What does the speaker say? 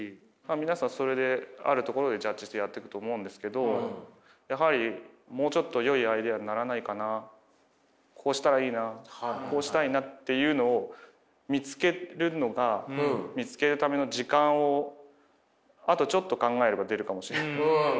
皆さんそれであるところでジャッジしてやってくと思うんですけどやはりもうちょっとよいアイデアにならないかなこうしたらいいなこうしたいなっていうのを見つけるのが見つけるための時間をあとちょっと考えれば出るかもしれない。